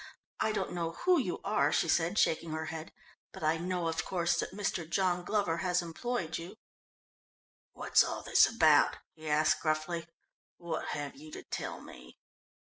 I don't know who you are," she said, shaking her head, "but I know, of course, that Mr. John Glover has employed you." "What's all this about?" he asked gruffly. "What have you to tell me?"